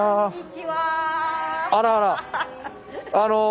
あらあら。